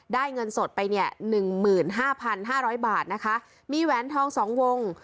ได้เงินสดไปเนี่ย๑๕๕๐๐บาทนะคะมีแหวนทอง๒วง